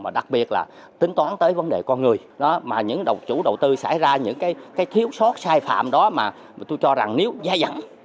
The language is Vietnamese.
mà đặc biệt là tính toán tới vấn đề con người mà những chủ đầu tư xảy ra những cái thiếu sót sai phạm đó mà tôi cho rằng nếu gia dẫn